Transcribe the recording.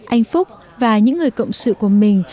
anh phúc và những người cộng sự của mình